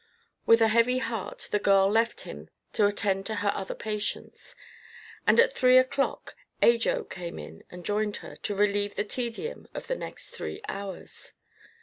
With a heavy heart the girl left him to attend to her other patients and at three o'clock Ajo came in and joined her, to relieve the tedium of the next three hours.